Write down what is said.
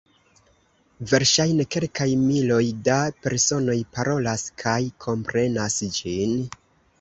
Verŝajne kelkaj miloj da personoj parolas kaj komprenas ĝin.